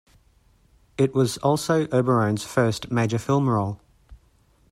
It was also Oberon's first major film role.